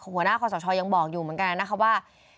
หัวหน้าคอสชยังบอกอยู่เหมือนกันนะคะว่า